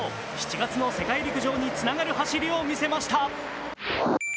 ７月の世界陸上につながる走りを見せました。